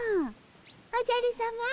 おじゃるさま。